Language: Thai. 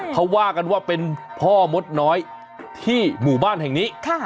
เขาว่ากันว่าเป็นพ่อมดน้อยที่หมู่บ้านแห่งนี้